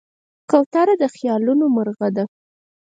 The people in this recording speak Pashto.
کوتره د خیالونو مرغه ده.